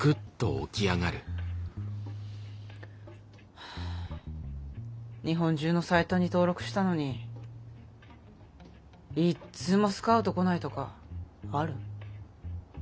はあ日本中のサイトに登録したのに一通もスカウト来ないとかある？